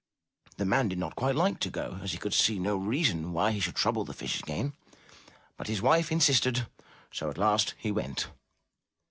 The man did not quite like to go, as he could see no reason why he should trouble the fish again. But his wife insisted, so at last he went.